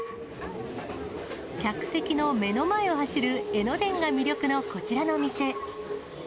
客席の目の前を走る江ノ電が魅力のこちらの店。